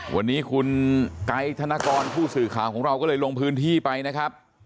วันนี้คุณไกด์ธนกรผู้สื่อข่าวของเราก็เลยลงพื้นที่ไปนะครับ